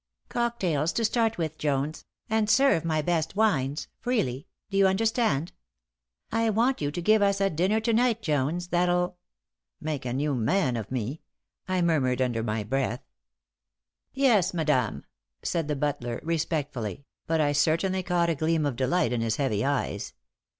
Cocktails to start with, Jones, and serve my best wines freely, do you understand? I want you to give us a dinner to night, Jones, that'll make a new man of me," I murmured under my breath. "Yes, madame," said the butler, respectfully, but I certainly caught a gleam of delight in his heavy eyes.